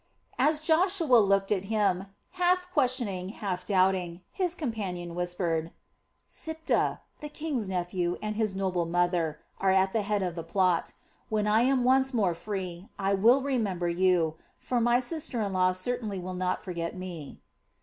As Joshua looked at him, half questioning, half doubting, his companion whispered. "Siptah, the king's nephew, and his noble mother, are at the head of the plot. When I am once more free, I will remember you, for my sister in law certainly will not forget me."